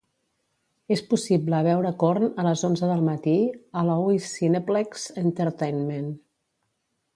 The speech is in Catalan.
és possible veure Corn a les onze del matí a Loews Cineplex Entertainment